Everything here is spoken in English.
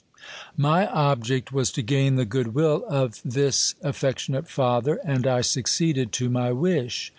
My object was to gain the goodwill of this affec tionate father, and I succeeded to my wish.